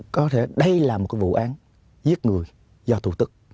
có thể đây là một cái vụ án giết người do thủ tức